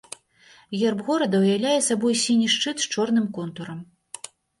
Герб горада ўяўляе сабой сіні шчыт з чорным контурам.